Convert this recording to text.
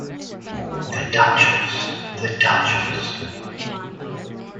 The Duchess, the Duchess!